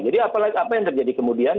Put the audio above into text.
jadi apa lagi apa yang terjadi kemudian